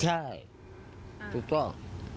ใช่ถูกต้อง